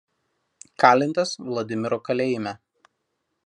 Kalintas Vladimiro kalėjime.